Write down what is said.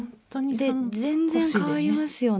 で全然変わりますよね。